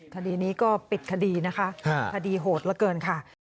คดีนี้ก็ปิดคดีนะคะคดีโหดเหลือเกินค่ะ